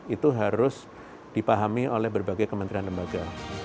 itu harus dipahami oleh berbagai kementerian lembaga